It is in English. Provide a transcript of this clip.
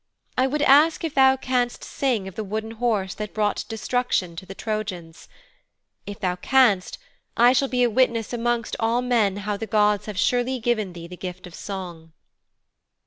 I would ask if thou canst sing of the Wooden Horse that brought destruction to the Trojans. If thou canst, I shall be a witness amongst all men how the gods have surely given thee the gift of song.'